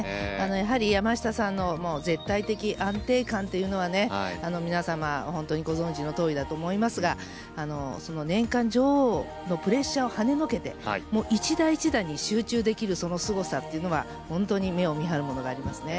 やはり山下さんの絶対的安定感というのは皆様、本当にご存じのとおりだと思いますが年間女王のプレッシャーを跳ねのけて一打一打に集中できるそのすごさというのは本当に目を見張るものがありますね。